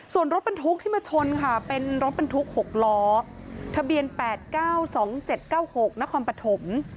ส่วนรถบรรทุกที่มาชนค่ะเป็นรถบรรทุก๖ล้อทะเบียน๘๙๒๗๙๖นครปฐม